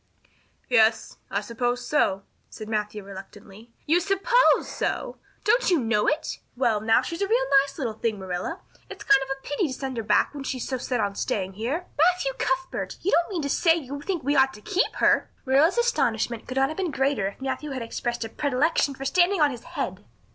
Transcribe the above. "Yes, I suppose so," said Matthew reluctantly. "You suppose so! Don't you know it?" "Well now, she's a real nice little thing, Marilla. It's kind of a pity to send her back when she's so set on staying here." "Matthew Cuthbert, you don't mean to say you think we ought to keep her!" Marilla's astonishment could not have been greater if Matthew had expressed a predilection for standing on his head.